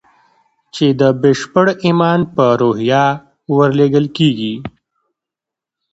چې د بشپړ ايمان په روحيه ورلېږل کېږي.